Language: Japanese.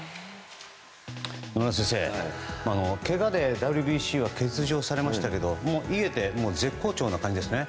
野村先生、けがでＷＢＣは欠場されましたけどいえて絶好調な感じですね。